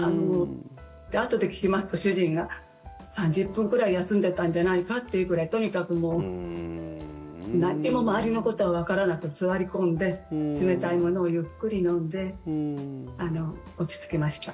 あとで聞きますと、主人が３０分くらい休んでたんじゃないかっていうぐらいとにかく、なんにも周りのことはわからなく座り込んで冷たいものをゆっくり飲んで落ち着きました。